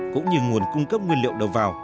cũng như nguồn cung cấp nguyên liệu đầu vào